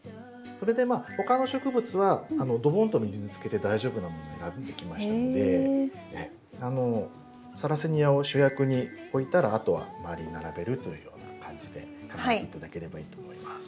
それで他の植物はドボンと水につけて大丈夫なものを選んでおきましたのでサラセニアを主役に置いたらあとは周りに並べるというような感じで考えて頂ければいいと思います。